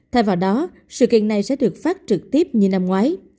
thay vào đó sự kiện này sẽ được phát trực tiếp như năm ngoái